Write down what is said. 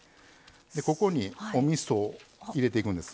ここにおみそを入れていくんです。